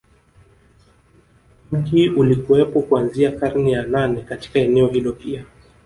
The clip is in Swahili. Mji ulikuwepo kuanzia karne ya nane Katika eneo hilo pia